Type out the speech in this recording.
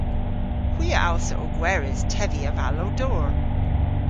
Hwi a allsa ow gweres tevi avallow-dor.